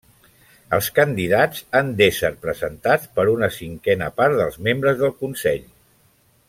Els candidats han d'ésser presentats per una cinquena part dels membres del Consell.